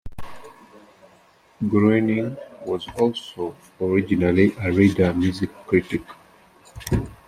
Groening was also originally a Reader music critic.